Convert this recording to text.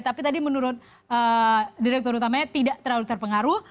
tapi tadi menurut direktur utamanya tidak terlalu terpengaruh